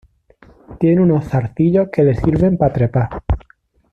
Tiene unos zarcillos que le sirven para trepar.